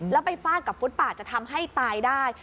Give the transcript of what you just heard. แล้วไปฟาดกับฟุตปาดจะทำให้ตายได้